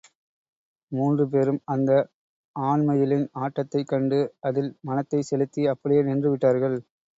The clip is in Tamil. மூன்று பேரும் அந்த ஆண்மயிலின் ஆட்டத்தைக் கண்டு, அதில் மனத்தைச் செலுத்தி, அப்படியே நின்றுவிட்டார்கள்.